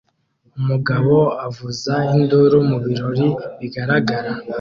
Umugabo avuza induru mubirori bigaragara